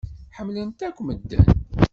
Ḥemmlet akk medden.